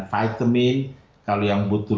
vitamin kalau yang butuh